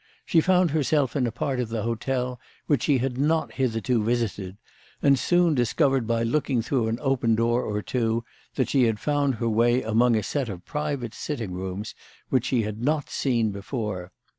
She found herself in a part of the hotel which she had not hitherto visited, and soon discovered by looking through an open door or two that she had found her way among a set of private sitting rooms which she had not seen before.